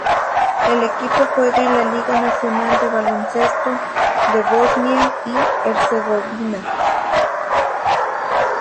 El equipo juega en la liga nacional de baloncesto de Bosnia y Herzegovina.